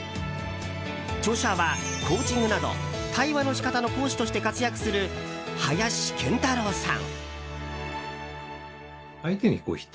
著者は、コーチングなど対話の仕方の講師として活躍する林健太郎さん。